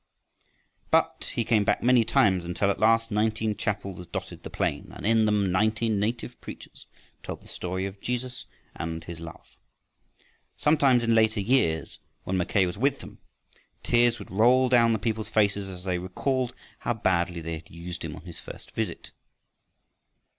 But he came back many times, until at last nineteen chapels dotted the plain, and in them nineteen native preachers told the story of Jesus and his love. Sometimes, in later years, when Mackay was with them, tears would roll down the people's faces as they recalled how badly they had used him on his first visit.